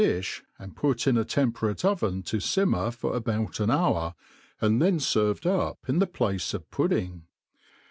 dilh, and put in a temperate ovep to fimmer for ahoutan hour^ aifd th^ ferved up in the place of pudding.